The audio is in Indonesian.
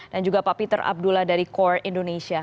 dan juga pak peter abdullah dari core indonesia